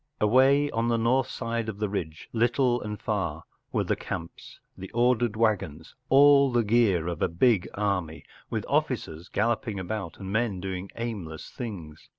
Away on the north side of the ridge, little and far, were the camps, the ordered waggons, all the gear of a big army ; with officers galloping about and men doing aimless things.